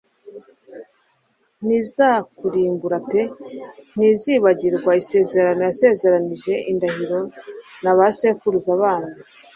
ntizakurimbura pe, ntizibagirwa isezerano yasezeranishije indahiro na ba sekuruza banyu